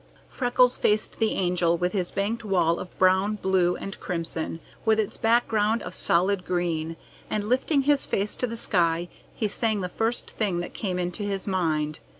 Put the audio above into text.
Freckles faced the Angel from his banked wall of brown, blue, and crimson, with its background of solid green, and lifting his face to the sky, he sang the first thing that came into his mind.